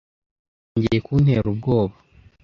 Utangiye kuntera ubwoba.